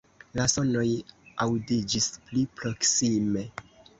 La sonoj aŭdiĝis pli proksime.